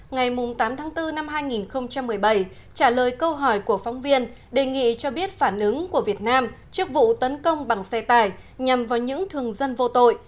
ngày tám tháng bốn năm hai nghìn một mươi bảy trả lời câu hỏi của phóng viên đề nghị cho biết phản ứng của việt nam trước vụ tấn công bằng xe tải nhằm vào những thường dân vô tội